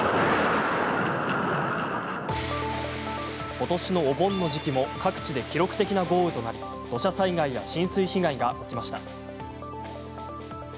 ことしのお盆の時期も各地で記録的な豪雨となり土砂災害や浸水被害が起きました。